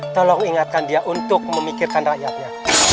tolong ingatkan dia untuk memikirkan rakyatnya